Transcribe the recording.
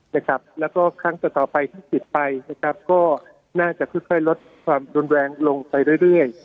นะครับแล้วก็ครั้งต่อต่อไปถึงติดไปนะครับก็น่าจะค่อยค่อยลดความรุนแรงลงไปเรื่อยเรื่อย